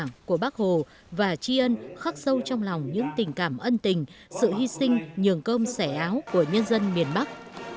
công ơn của bác hồ và chiên khắc sâu trong lòng những tình cảm ân tình sự hy sinh nhường công sẻ áo của nhân dân miền bắc